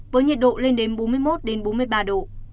với nhiệt độ lên đến bốn mươi một bốn mươi ba độ